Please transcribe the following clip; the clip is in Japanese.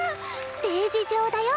ステージ上だよ！